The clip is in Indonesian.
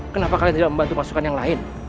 kenapa kalian tidak membantu pasukan yang lain